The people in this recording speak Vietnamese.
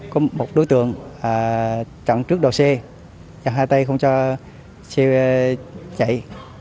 có một đối tượng chặn trước đầu xe chặn hai tay không cho xe chạy